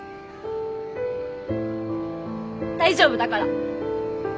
大丈夫だから。